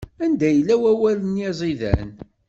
Anda yella wawal-nni aẓidan?